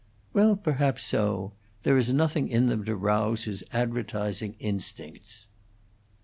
"Well, perhaps so. There is nothing in them to rouse his advertising instincts."